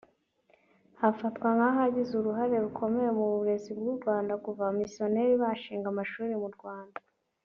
hafatwa nk’ahagize uruhare rukomeye mu burezi bw’u Rwanda kuva abamisiyoneri bashinga amashuri mu Rwanda